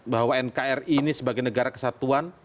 bahwa nkri ini sebagai negara kesatuan